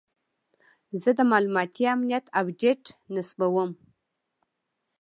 زه د معلوماتي امنیت اپډیټ نصبوم.